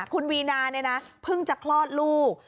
คุณวีนาเนี่ยนะเพิ่งจะคลอดลูก